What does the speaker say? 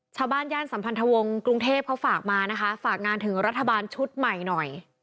ย่านสัมพันธวงศ์กรุงเทพเขาฝากมานะคะฝากงานถึงรัฐบาลชุดใหม่หน่อย